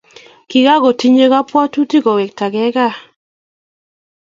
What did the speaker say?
kiakutinye kabwotutik ko wekta kei gaa